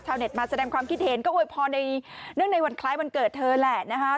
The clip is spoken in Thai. เน็ตมาแสดงความคิดเห็นก็อวยพรในเนื่องในวันคล้ายวันเกิดเธอแหละนะคะ